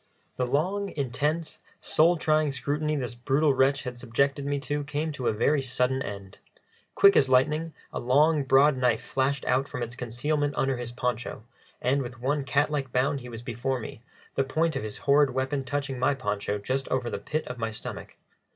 The long, intense, soul trying scrutiny this brutal wretch had subjected me to came to a very sudden end. Quick as lightning a long, broad knife flashed out from its concealment under his poncho, and with one cat like bound he was before me, the point of his horrid weapon touching my poncho just over the pit of my stomach.